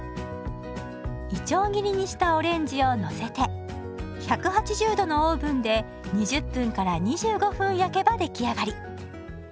いちょう切りにしたオレンジをのせて１８０度のオーブンで２０分２５分焼けば出来上がり。